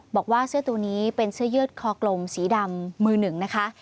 บอกว่าเสื้อตัวนี้เป็นเสื้อยืดคอกลมสีดำมือหนึ่งนะคะ